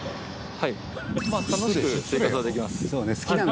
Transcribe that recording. はい。